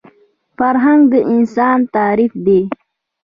فرهنګ د انسان تعریف دی